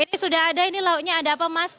ini sudah ada ini lauknya ada apa mas